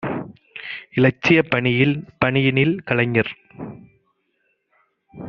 இலட்சியப் பணியினில் கலைஞர்